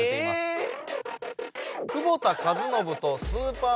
えっ？